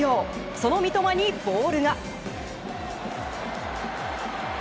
その三笘にボールが。